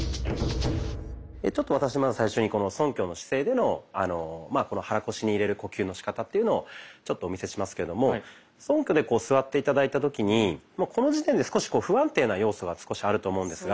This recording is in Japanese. ちょっと私まず最初にそんきょの姿勢での肚腰に入れる呼吸のしかたというのをちょっとお見せしますけどもそんきょで座って頂いた時にこの時点で少し不安定な要素が少しあると思うんですが。